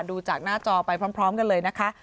ดูจากหน้าจอไปพร้อมกันเลยนะคะ